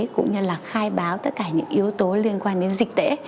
cũng như là khai báo tất cả những yếu tố liên quan đến dịch tễ